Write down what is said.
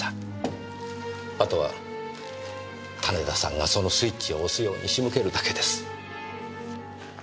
あとは種田さんがそのスイッチを押すように仕向けるだけです。